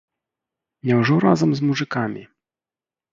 Няўжо разам з мужыкамі?